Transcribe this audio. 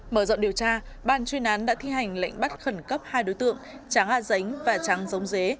mở rộng điều tra ban chuyên án đã thi hành lệnh bắt khẩn cấp hai đối tượng tráng a dính và tráng giống dế